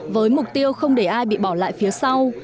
với mục tiêu không để ai bị bỏ lại phía sau